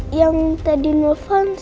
ma yang tadi nelfon siapa